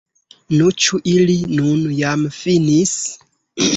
Nu, ĉu ili nun jam finis?